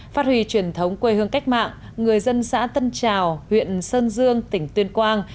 phát huy truyền thống quê hương cách mạng người dân xã tân trào huyện sơn dương tỉnh tuyên quang